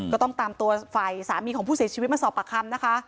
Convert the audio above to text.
ก็ต้องตามตัวฝ่ายสามีของผู้เสียชีวิตมาสอบปากคำนะคะ